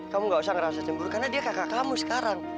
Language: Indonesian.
kamu gak usah ngerasa cemburu karena dia kakak kamu sekarang